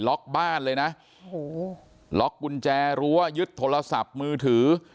ล็อกบ้านเลยนะหูล็อกบุญแจรั้วยึดโทรศัพท์มือถือ